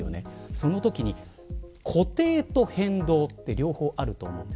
そのときに、固定と変動って両方あると思うんです。